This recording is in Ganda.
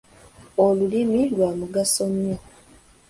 Olulimi lwa mugaso nnyo.